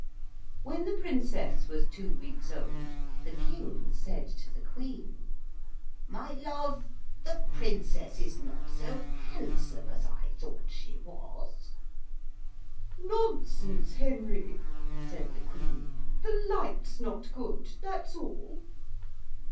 When the Princess was two weeks old the King said to the Queen: 'My love the Princess is not so handsome as I thought she was.' 'Nonsense, Henry,' said the Queen, 'the light's not good, that's all.'